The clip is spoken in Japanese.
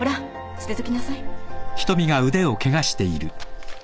捨てときなさい。